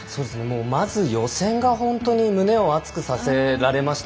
まず予選が本当に胸を熱くさせられました。